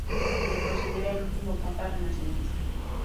Se lo considera el último papa renacentista.